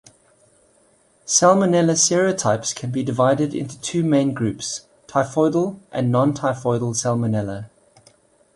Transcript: "Salmonella" serotypes can be divided into two main groups-typhoidal and nontyphoidal "Salmonella".